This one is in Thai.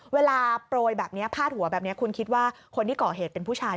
โปรยแบบนี้พาดหัวแบบนี้คุณคิดว่าคนที่ก่อเหตุเป็นผู้ชาย